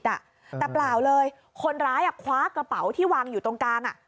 แต่เปล่าเลยคนร้ายคว้ากระเป๋าที่วางอยู่ตรงกลางอ่ะ